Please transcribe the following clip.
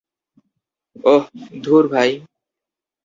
ওহ, ধুর, ভাই।